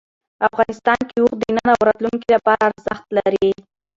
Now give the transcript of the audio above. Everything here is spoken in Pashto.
افغانستان کې اوښ د نن او راتلونکي لپاره ارزښت لري.